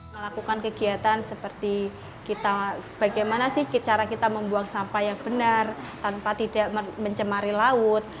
melakukan kegiatan seperti bagaimana sih cara kita membuang sampah yang benar tanpa tidak mencemari laut